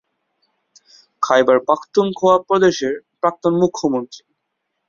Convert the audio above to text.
খাইবার পাখতুনখোয়া প্রদেশের প্রাক্তন মুখ্যমন্ত্রী।